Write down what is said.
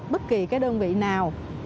bất kỳ cái đơn vị nào